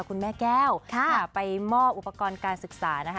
คุณแม่แก้วไปมอบอุปกรณ์การศึกษานะคะ